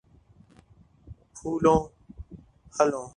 پھولو پھلو